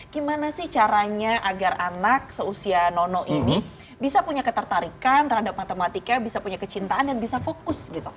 gimana sih caranya agar anak seusia nono ini bisa punya ketertarikan terhadap matematika bisa punya kecintaan dan bisa fokus gitu